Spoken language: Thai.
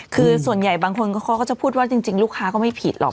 คือส่วนใหญ่บางคนเขาก็จะพูดว่าจริงลูกค้าก็ไม่ผิดหรอก